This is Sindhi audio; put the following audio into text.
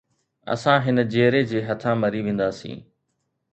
اسان هن جيئري جي هٿان مري وينداسين